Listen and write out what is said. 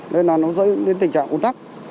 nên là nó dẫn đến tình trạng ồn tắc